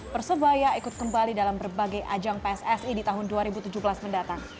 persebaya ikut kembali dalam berbagai ajang pssi di tahun dua ribu tujuh belas mendatang